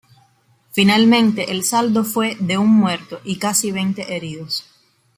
Finalmente, el saldo fue de un muerto y casi veinte heridos.